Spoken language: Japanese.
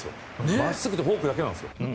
真っすぐとフォークだけなんです。